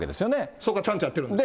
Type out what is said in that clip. そこはちゃんとやってるんです。